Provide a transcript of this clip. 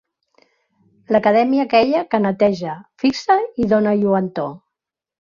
L'Acadèmia aquella que neteja, fixa i dóna lluentor.